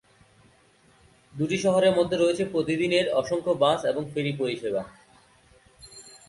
দুটি শহরের মধ্যে রয়েছে প্রতিদিনের অসংখ্য বাস এবং ফেরি পরিষেবা।